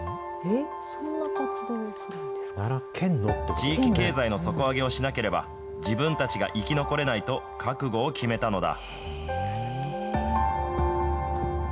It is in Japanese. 地域経済の底上げをしなければ、自分たちが生き残れないと覚悟を決めたのだ。